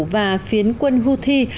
và phiến quân houthi